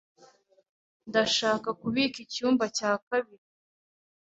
Ndashaka kubika icyumba cya kabiri.